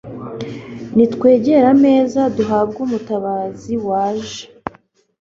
r/ nitwegere ameza, duhabwe umutabazi, waje